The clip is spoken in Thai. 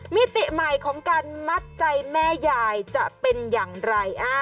มิติใหม่ของการมัดใจแม่ยายจะเป็นอย่างไร